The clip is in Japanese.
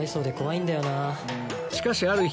しかしある日